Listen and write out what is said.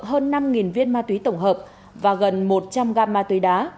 hơn năm viên ma túy tổng hợp và gần một trăm linh gam ma túy đá